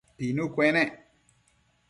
Pinu cuenec